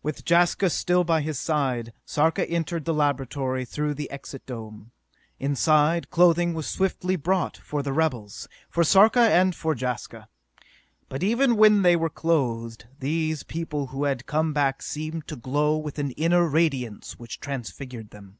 With Jaska still by his side, Sarka entered the laboratory through the Exit Dome. Inside, clothing was swiftly brought for the rebels, for Sarka and for Jaska. But, even when they were clothed, these people who had come back seemed to glow with an inner radiance which transfigured them.